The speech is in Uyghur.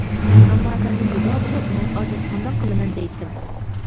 ئەمما، سەندىن جۇدا بولۇپ، مەن ئاجىز قانداق قىلىمەن، دەيتتىم.